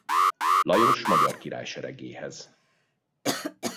Lajos magyar király seregéhez.